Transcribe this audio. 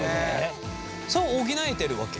それは補えてるわけ？